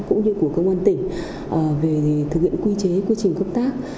cũng như của công an tỉnh về thực hiện quy chế quy trình công tác